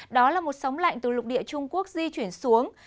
đó là một sóng lạnh từ lục địa trung quốc di chuyển xuống